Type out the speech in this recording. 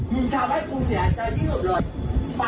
มึงทำให้วิงเสียใจที่หนูได้